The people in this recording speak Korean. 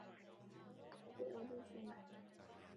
댁이 어디신가요.